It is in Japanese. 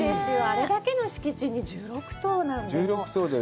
あれだけの敷地に１６棟なので。